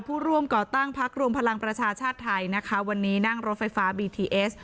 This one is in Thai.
ผู้ร่วมก่อตั้งพักรวมพลังประชาชาติไทยนะคะวันนี้นั่งรถไฟฟ้าบีทีเอส